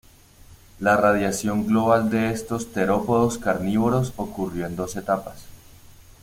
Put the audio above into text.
La radiación global de estos terópodos carnívoros ocurrió en dos etapas.